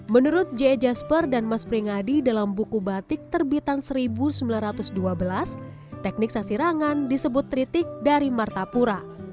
menurut j jasper dan mas pringadi dalam buku batik terbitan seribu sembilan ratus dua belas teknik sasirangan disebut tritik dari martapura